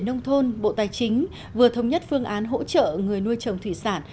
nông thôn bộ tài chính vừa thống nhất phương án hỗ trợ người nuôi trồng thủy sản